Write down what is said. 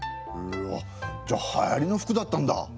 うわじゃあはやりの服だったんだ。